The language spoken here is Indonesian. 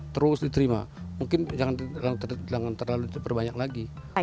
terus diterima mungkin jangan terlalu terlalu banyak lagi